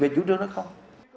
về chủ trương đó không